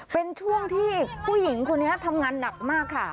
เป็นช่วงที่ผู้หญิงคนนี้ทำงานหนักมากค่ะ